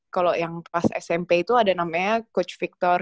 kalau yang pas smp itu ada namanya coach victor